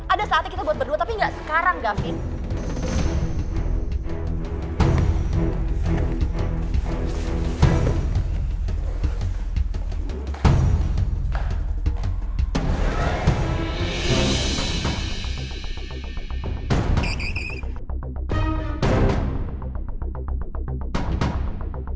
ada saatnya kita buat berdua tapi enggak sekarang gavin